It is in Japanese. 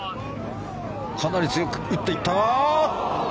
かなり強く打っていったが。